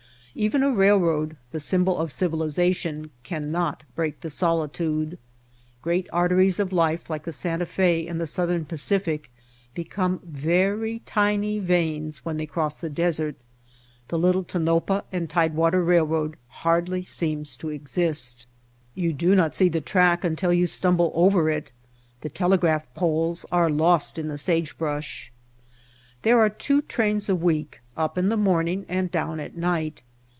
Even a railroad, the symbol of civilization, cannot break the solitude. Great arteries of life like the Santa Fe and the South ern Pacific become very tiny veins when they White Heart of Mojave cross the desert; the little Tonapah and Tide water Railroad hardly seems to exist. You do not see the track until you stumble over it, the telegraph poles are lost in the sagebrush. There are two trains a week, up in the morning and down at night.